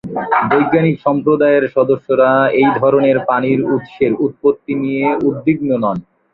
বৈজ্ঞানিক সম্প্রদায়ের সদস্যরা এই ধরনের পানির উৎসের উৎপত্তি নিয়ে উদ্বিগ্ন নন।